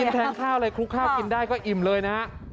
แทงข้าวเลยคลุกข้าวกินได้ก็อิ่มเลยนะฮะ